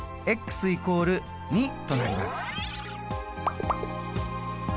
＝２となります。